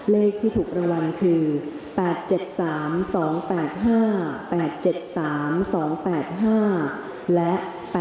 เลขที่ถูกรางวัลคือ